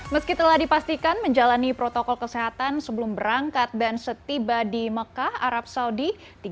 meski telah dipastikan menjalani protokol kesehatan sebelum berangkat dan setiba di mekah arab saudi